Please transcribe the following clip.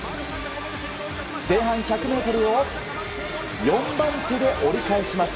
前半１００ｍは４番手で折り返します。